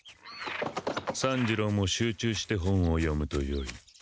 三治郎も集中して本を読むとよい。